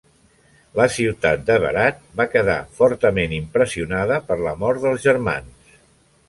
La ciutat de Berat va quedar fortament impressionada per la mort dels germans.